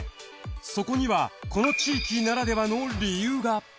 そこにはこの地域ならではの理由が。